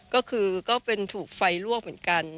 ก็คือก็เป็นถูกไฟลวกเหมือนกัน